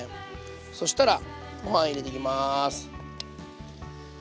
そしたらご飯入れていきます。